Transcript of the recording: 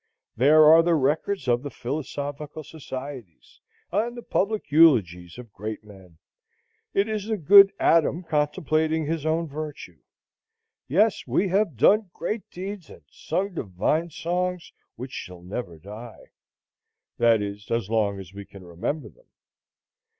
There are the Records of the Philosophical Societies, and the public Eulogies of Great Men! It is the good Adam contemplating his own virtue. "Yes, we have done great deeds, and sung divine songs, which shall never die,"—that is, as long as we can remember them.